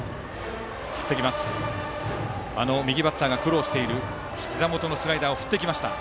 右バッターが苦労しているひざ元へのスライダーを振っていきました。